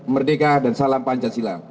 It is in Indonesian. merdeka dan salam pancasila